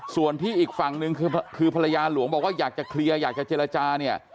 ส่วนที่อีกฝั่งหนึ่งคือภรรยาหลวงบอกว่าอยากจะเคลียร์อยากจะเจรจาเนี่ย